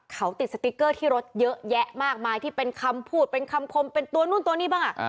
เขาติดสติ๊กเกอร์ที่รถเยอะแยะมากมายที่เป็นคำพูดเป็นคำคมเป็นตัวนู่นตัวนี้บ้าง